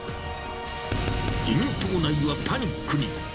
自民党内はパニックに。